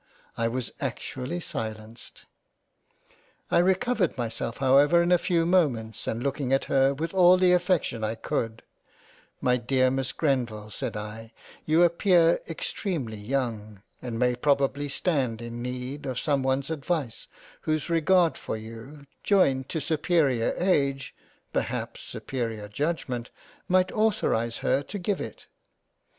I was actually silenced. I recovered myself how ever in a few moments and looking at her with all the affec tion I could, " My dear Miss Grenville said I, you appear extremely young — and may probably stand in need of some one's advice whose regard for you, joined to superior Age, perhaps superior Judgement might authorise her to give it.